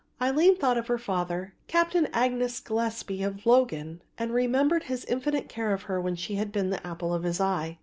Aline thought of her father, Captain Angus Gillespie of Logan, and remembered his infinite care for her when she had been the apple of his eye.